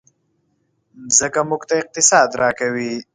مځکه موږ ته اقتصاد راکوي.